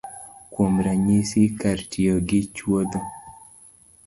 Kuom ranyisi, kar tiyo gi chuodho